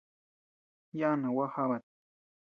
Yana gua jabat.